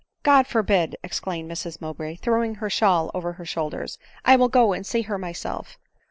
" God forbid !" exclaimed Mrs Mowbray, throwing her shawl over her shoulders ; "I will go and see her myself."